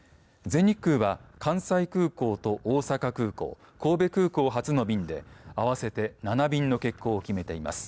全日空は関西空港と大阪空港神戸空港発の便で合わせて７便の欠航を決めています。